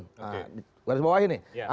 gua disempat bawahin nih